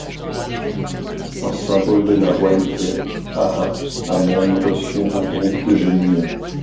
En symbole de la royauté, Aha a même reçu un groupe de jeunes lions.